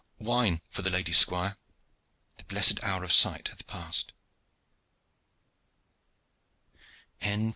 "Wine for the lady, squire! The blessed hour of sight hath passed."